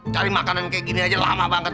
cari makanan kayak gini aja lama banget